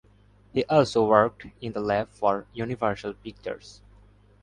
He also worked in the lab for Universal Pictures.